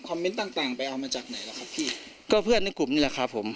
เมนต์ต่างต่างไปเอามาจากไหนล่ะครับพี่ก็เพื่อนในกลุ่มนี่แหละครับผม